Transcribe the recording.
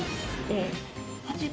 えっ。